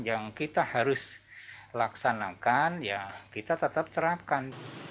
yang kita harus laksanakan ya kita tetap terapkan